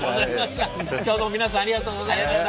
今日はどうも皆さんありがとうございました。